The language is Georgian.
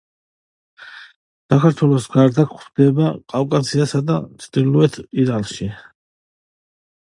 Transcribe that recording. საქართველოს გარდა გვხვდება კავკასიასა და ჩრდილოეთ ირანში.